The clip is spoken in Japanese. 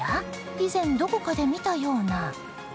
以前どこかで見たような。